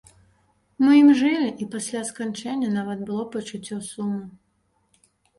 Мы ім жылі, і пасля сканчэння нават было пачуццё суму.